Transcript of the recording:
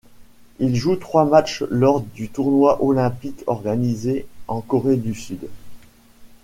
Il joue trois matchs lors du tournoi olympique organisé en Corée du Sud.